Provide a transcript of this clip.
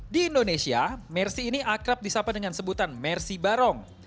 di indonesia mercedes ini akrab disapa dengan sebutan mercedes benz barong